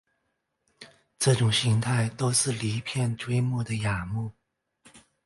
这种形态都是离片锥目的亚目。